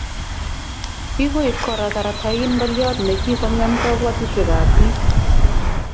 Kikoib Kora karatain ngolyot nekikongem kabwatutikab bik